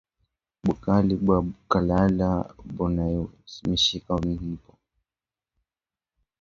Bukali bwa kulala bunaumishaka ntumbo